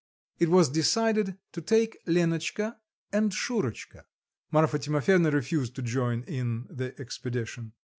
It was decided to take Lenotchka and Shurotchka. Marfa Timofyevna refused to join in the expedition.